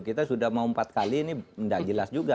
kita sudah mau empat kali ini tidak jelas juga